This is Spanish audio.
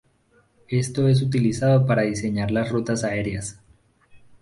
Esto es utilizado para diseñar las rutas áreas.